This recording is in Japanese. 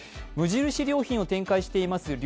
無印良品を展開しています